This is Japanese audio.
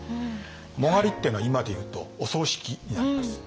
殯っていうのは今で言うとお葬式になります。